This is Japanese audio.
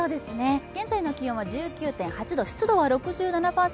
現在の気温は１９．８度、湿度は５７％。